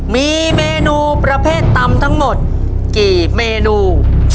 มีเมนูประเภทตำทั้งหมดกี่เมนู